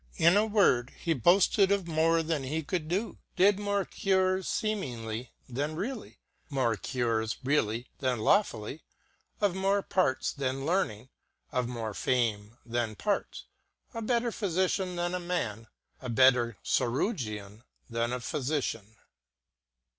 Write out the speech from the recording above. In a word, He boafted of more then he could do, did more cures feemingly then really, more cures really then lawfully ; of more parts then learning, of more fame then parts ; a better Phyfician then a man, a better Chirurgeon then Phyfician.